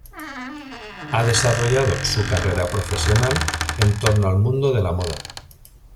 Ha desarrollado su carrera profesional en torno al mundo de la moda.